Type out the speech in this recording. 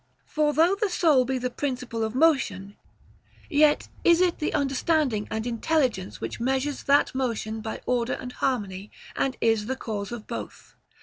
For though the soul be the principle of motion, yet is it the understanding and intelligence which measures that motion by order and harmony, and is the cause of both.